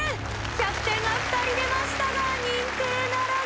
１００点が２人出ましたが認定ならず。